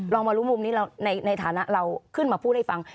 มารู้มุมนี้ในฐานะเราขึ้นมาพูดให้ฟัง